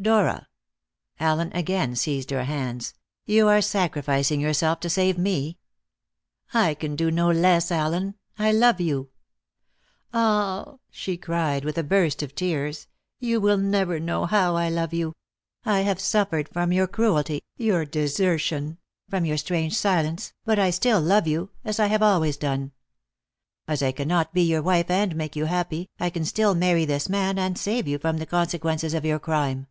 "Dora" Allen again seized her hands "you are sacrificing yourself to save me?" "I can do no less, Allen. I love you. Ah!" she cried, with a burst of tears, "you will never know how I love you. I have suffered from your cruelty, your desertion, from your strange silence, but I still love you, as I have always done. As I cannot be your wife and make you happy, I can still marry this man and save you from the consequences of your crime."